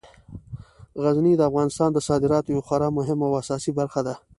غزني د افغانستان د صادراتو یوه خورا مهمه او اساسي برخه ده.